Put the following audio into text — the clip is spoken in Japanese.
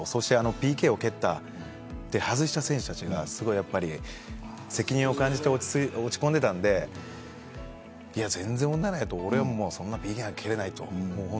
ＰＫを蹴って外した選手たちがすごく責任を感じて落ち込んでいたので全然問題ない、俺はＰＫなんか蹴れないと。